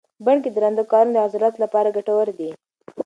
بڼ کې درانده کارونه د عضلاتو لپاره ګټور دي.